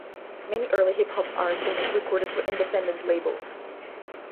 Many early hip hop artists recorded for independent labels.